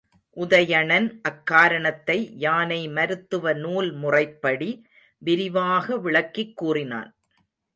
உதயணன் அக் காரணத்தை யானை மருத்துவ நூல் முறைப்படி விரிவாக விளக்கிக் கூறினான்.